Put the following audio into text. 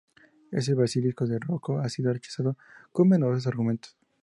El Basilisco de Roko ha sido rechazado con numerosos argumentos.